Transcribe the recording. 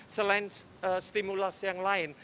selain stimulus yang lain